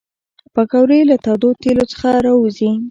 پکورې له تودو تیلو څخه راوزي